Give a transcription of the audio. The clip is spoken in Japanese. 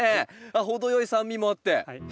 程よい酸味もあって。